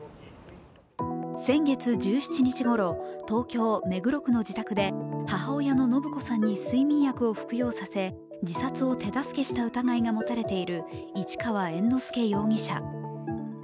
先月１７日ごろ東京・目黒区の自宅で母親の延子さんに睡眠薬を服用させ自殺を手助けした疑いが持たれている市川猿之助容疑者。